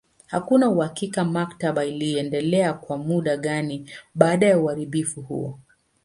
Hakuna uhakika maktaba iliendelea kwa muda gani baada ya uharibifu huo.